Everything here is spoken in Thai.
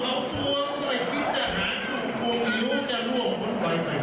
ใกล้คิดจะหาห่วงหิวจะร่วมบนใบแม่งค่ะ